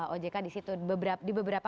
ojk di situ di beberapa